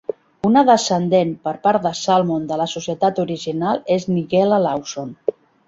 Una descendent per part de Salmon de la societat original és Nigella Lawson.